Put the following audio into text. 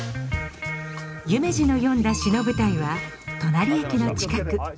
夢二の詠んだ詩の舞台は隣駅の近く。